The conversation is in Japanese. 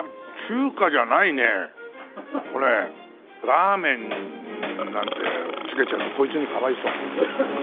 「ラーメン」なんてつけちゃうとこいつにかわいそう。